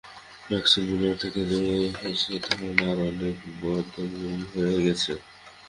ম্যাক্সমূলারকে দেখে সে ধারণা আরও যেন বদ্ধমূল হয়ে গেছে।